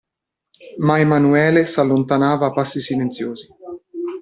Ma Emanuele s'allontanava a passi silenziosi.